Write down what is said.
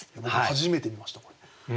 初めて見ましたこれ。